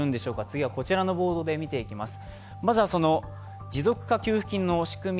次はこちらのボードで見ていきます。